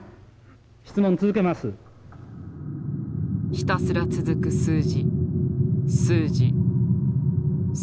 ひたすら続く数字数字数字。